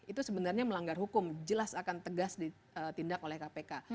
itu sebenarnya melanggar hukum jelas akan tegas ditindak oleh kpk